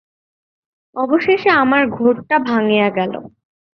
অবশেষে আমার ঘোরটা ভাঙিয়া গেল।